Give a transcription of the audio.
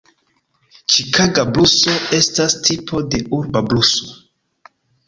Ĉikaga bluso estas tipo de urba bluso.